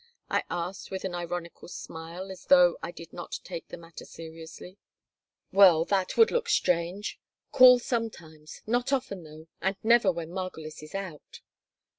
I asked, with an ironical smile, as though I did not take the matter seriously "Well, that would look strange. Call sometimes, not often, though, and never when Margolis is out."